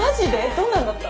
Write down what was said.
どんなんだった？